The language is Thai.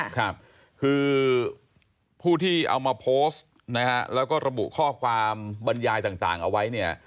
คือผู้ที่เอามาโพสต์แล้วก็ระบุข้อความบรรยายต่างเอาไว้